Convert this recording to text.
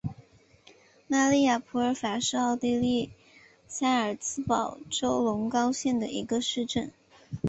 玛丽亚普法尔是奥地利萨尔茨堡州隆高县的一个市镇。